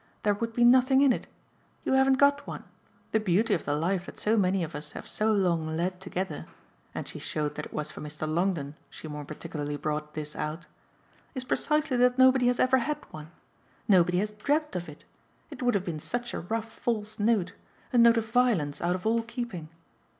There would be nothing in it. You haven't got one. The beauty of the life that so many of us have so long led together" and she showed that it was for Mr. Longdon she more particularly brought this out "is precisely that nobody has ever had one. Nobody has dreamed of it it would have been such a rough false note, a note of violence out of all keeping.